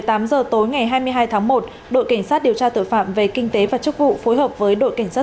vào tối ngày hai mươi hai tháng một đội cảnh sát điều tra tội phạm về kinh tế và chức vụ phối hợp với đội cảnh sát